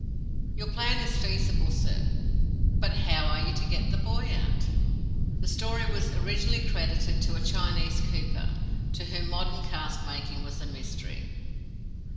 "Your plan is feasible, sir; but how are you to get the boy out?" (The story was originally credited to a Chinese cooper, to whom modern caskmaking was a mystery.)